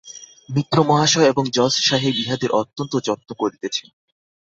মিত্র মহাশয় এবং জজ সাহেব ইহাদের অত্যন্ত যত্ন করিতেছেন।